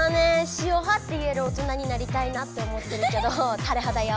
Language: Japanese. しおはって言える大人になりたいなって思ってるけどタレはだよ。